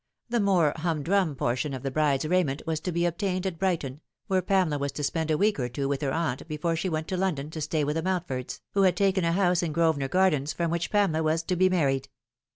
The more humdrum portion of the bride's raiment was to be obtained at Brighton, where Pamela was to spend a week or two with her aunt before she went to London to stay witfi the Mountfords, who had taken a house in Grosvenor Gardens, from which Pamela was to be married.